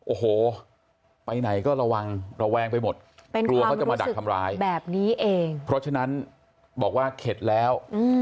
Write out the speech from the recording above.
โอ้โหไปไหนก็ระวังระแวงไปหมดเป็นความรู้สึกแบบนี้เองเพราะฉะนั้นบอกว่าเข็ดแล้ว